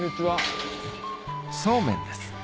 そうめんです